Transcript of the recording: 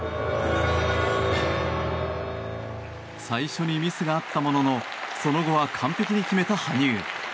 最初にミスがあったもののその後は完璧に決めた羽生。